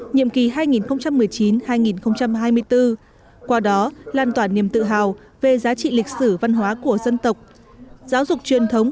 nhiệm kỳ hai nghìn một mươi chín hai nghìn hai mươi bốn qua đó lan tỏa niềm tự hào về giá trị lịch sử văn hóa của dân tộc giáo dục truyền thống